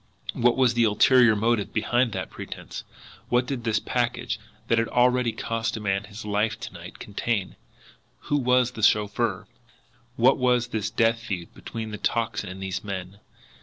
What was the ulterior motive behind that pretence? What did this package, that had already cost a man his life to night, contain? Who was the chauffeur? What was this death feud between the Tocsin and these men?